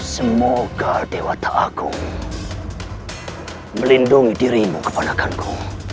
semoga dewa ta'agung melindungi dirimu kepala kanku